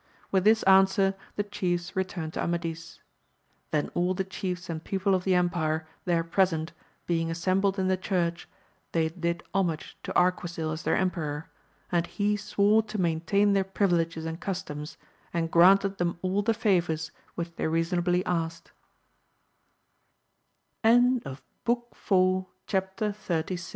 With this answer the chiefs returned to Amadis. Then all the chiefs and people of the empire there present, being assembled in the church, they did homage to Arquisil as their emperor, and he swore to maintain their privileges and customs, and granted them all the favours which th